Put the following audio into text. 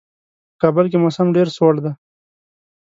په کابل کې موسم ډېر سوړ دی.